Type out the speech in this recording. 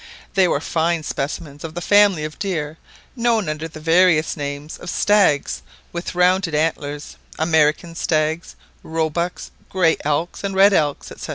They were fine specimens of the family of deer known under the various names of stags with rounded antlers, American stags, roebucks, grey elks and red elks, &c.